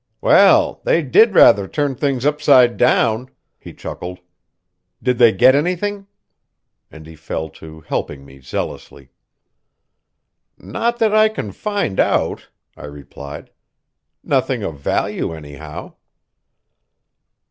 "Well, they did rather turn things upside down," he chuckled. "Did they get anything?" And he fell to helping me zealously. "Not that I can find out," I replied. "Nothing of value, anyhow."